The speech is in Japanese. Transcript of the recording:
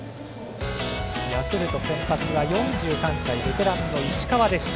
ヤクルト先発は４３歳ベテランの石川でした。